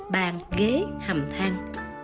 bàn ghế hầm thang